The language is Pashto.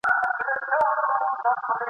د مرمۍ په څېر له پاسه راغوټه سو !.